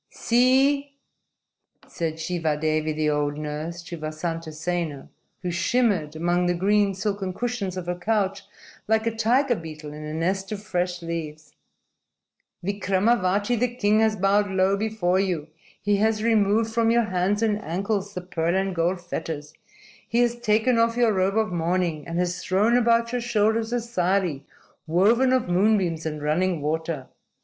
_ "See!" said Shivadevi, the old nurse, to Vasantasena, who shimmered among the green, silken cushions of her couch like a tiger beetle in a nest of fresh leaves. "Vikramavati, the king, has bowed low before you. He has removed from your hands and ankles the pearl and gold fetters. He has taken off your robe of mourning and has thrown about your shoulders a sari woven of moonbeams and running water.